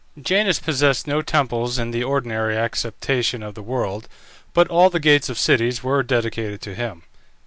Janus possessed no temples in the ordinary acceptation of the word, but all the gates of cities were dedicated to him.